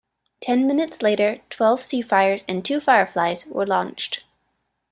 Ten minutes later, twelve Seafires and two Fireflies were launched.